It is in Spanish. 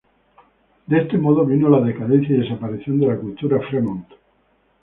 De ese modo, vino la decadencia y desaparición de la cultura Fremont.